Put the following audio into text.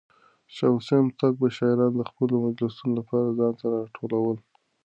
شاه حسين هوتک به شاعران د خپلو مجلسونو لپاره ځان ته راټولول.